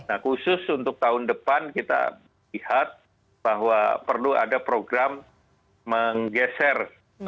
nah khusus untuk tahun depan kita lihat bahwa perlu ada program menggeser